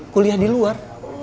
kuliah di luar